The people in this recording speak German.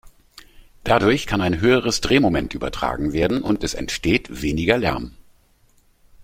Dadurch kann ein höheres Drehmoment übertragen werden und es entsteht weniger Lärm.